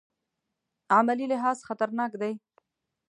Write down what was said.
عملي لحاظ خطرناک دی.